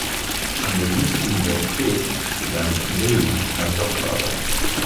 An der Lunds Universitet begann de Leeuw eine Doktorarbeit.